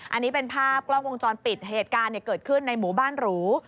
อันนี้เป็นภาพกล้องวงจรปิดเหตุการณ์เกิดขึ้นในหมู่บ้านหรู